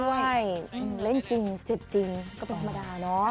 ใช่เล่นจริงจิตจริงก็ปริมดาเนอะ